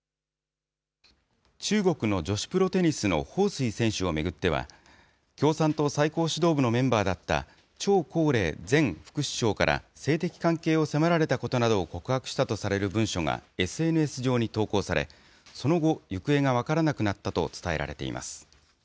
中国の女子プロテニスの彭帥選手を巡っては、共産党最高指導部のメンバーだった張高麗前副首相から性的関係を迫られたことなどを告白したとされる文書がＳＮＳ上に投稿され、その後、行方が分からなくなったと伝えられています。